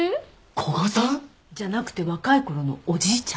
古賀さん？じゃなくて若いころのおじいちゃん。